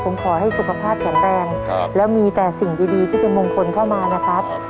ผมขอให้สุขภาพแข็งแรงแล้วมีแต่สิ่งดีที่เป็นมงคลเข้ามานะครับ